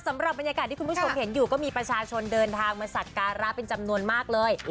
สำหรับบรรยากาศที่คุณผู้ชมเห็นอยู่ก็มีประชาชนเดินทางมาสักการะเป็นจำนวนมากเลย